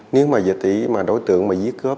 nếu mà về tỷ mà đối tượng mà giết cướp